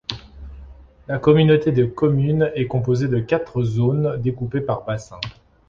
La communauté de communes est composée de quatre zones découpées par bassin.